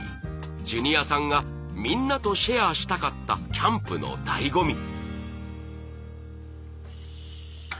ジュニアさんがみんなとシェアしたかったキャンプの醍醐味。